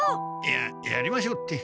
ややりましょうって。